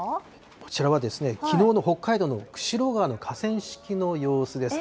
こちらはきのうの北海道の釧路川の河川敷の様子です。